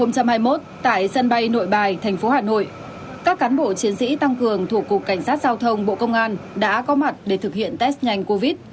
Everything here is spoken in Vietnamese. các cán bộ chiến sĩ tăng cường thuộc cục cảnh sát giao thông bộ công an đã có mặt để thực hiện test nhanh covid